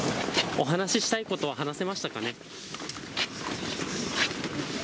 お話したいことは話せましたかね？